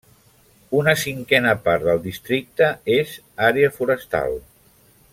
Una cinquena part del districte és àrea forestal.